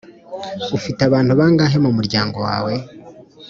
ufite abantu bangahe mu muryango wawe?